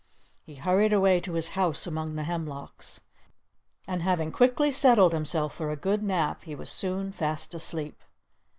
He hurried away to his house among the hemlocks. And having quickly settled himself for a good nap, he was soon fast asleep.